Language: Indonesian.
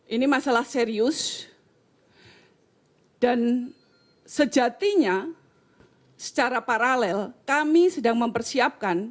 ini masalah serius dan sejatinya secara paralel kami sedang mempersiapkan